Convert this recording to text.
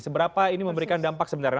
seberapa ini memberikan dampak sebenarnya